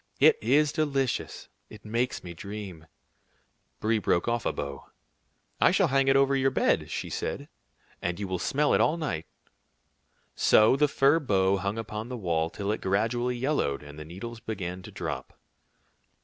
"It is delicious. It makes me dream." Brie broke off a bough. "I shall hang it over your bed," she said, "and you will smell it all night." So the fir bough hung upon the wall till it gradually yellowed, and the needles began to drop.